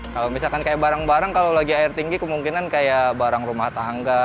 kalau misalkan kayak barang barang kalau lagi air tinggi kemungkinan kayak barang rumah tangga